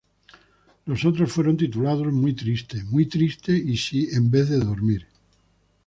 Los otros fueron titulados Muy triste, muy triste y Si en vez de dormir.